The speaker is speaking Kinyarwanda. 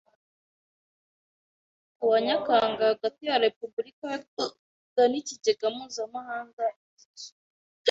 kuwa Nyakanga hagati ya Repubulika y u Rwanda n Ikigega Mpuzamahanga Gitsura